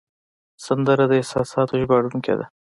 سندره د احساساتو ژباړونکی ده